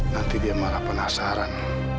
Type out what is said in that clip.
nanti dia malah penasaran